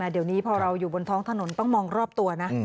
เดี๋ยวนี้พอเราอยู่บนท้องถนนต้องมองรอบตัวนะ